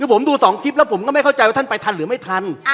คือผมดู๒คลิปแล้วผมก็ไม่เข้าใจว่าท่านไปทันหรือไม่ทัน